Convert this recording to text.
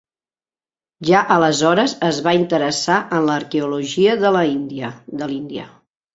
Ja aleshores es va interessar en l'arqueologia de l'Índia.